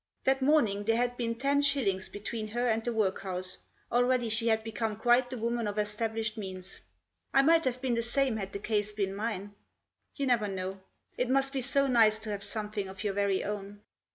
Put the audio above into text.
That morning there had been ten shillings between her and the workhouse; already she had become quite the woman of established means. I might have been the same had the case been mine. You never know. It must be so nice to have something of your very own.